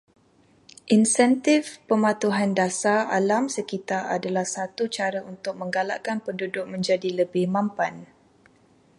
Insentif pematuhan dasar alam sekitar adalah satu cara untuk menggalakkan penduduk menjadi lebih mampan